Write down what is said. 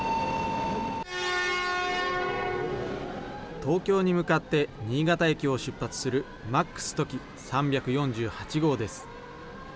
東京に向かって新潟駅を出発するＭａｘとき３４８号です。